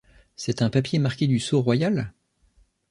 C’est un papier marqué du sceau royal ?